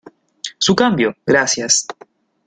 Su cambio, gracias.